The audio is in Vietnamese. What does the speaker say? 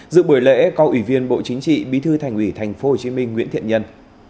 dự buổi lễ có ủy viên bộ chính trị bí thư thành ủy tp hcm nguyễn thiện nhân